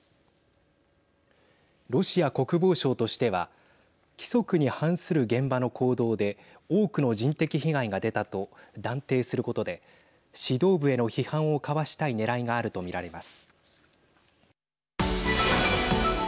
ロシア国防省としては規則に反する現場の行動で多くの人的被害が出たと断定することで指導部への批判をかわしたいねらいがあると見られます。